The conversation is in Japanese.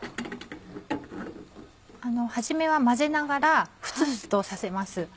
初めは混ぜながらフツフツとさせます。